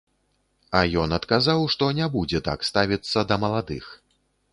А ён адказаў, што не будзе так ставіцца да маладых.